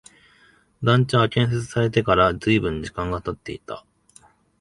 団地は建設されてから随分時間が経っていた